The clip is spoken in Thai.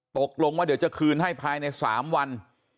ตกลงว่าเดี๋ยวจะคืนให้ภายใน๓วัน